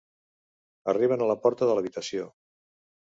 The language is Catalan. Arriben a la porta de l'habitació.